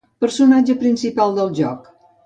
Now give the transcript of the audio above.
Personatge principal del joc.